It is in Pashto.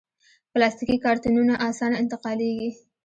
پلاستيکي کارتنونه اسانه انتقالېږي.